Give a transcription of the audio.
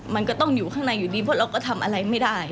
มันก็ต้องอยู่ข้างในอยู่ดีเพราะเราก็ทำอะไรไม่ได้